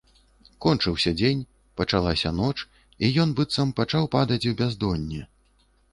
Кончыўся дзень, пачалася ноч, і ён быццам пачаў падаць у бяздонне.